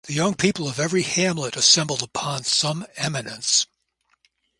The young people of every hamlet assembled upon some eminence.